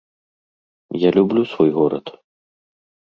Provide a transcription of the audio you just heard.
Я люблю свой горад.